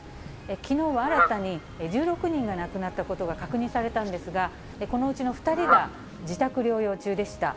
きのうは新たに１６人が亡くなったことが確認されたんですが、このうちの２人が自宅療養中でした。